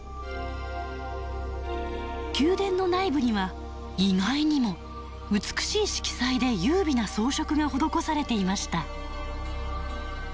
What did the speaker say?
宮殿の内部には意外にも美しい色彩で優美な装飾が施されていました。